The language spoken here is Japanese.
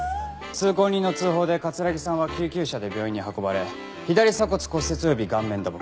通行人の通報で城さんは救急車で病院に運ばれ左鎖骨骨折及び顔面打撲。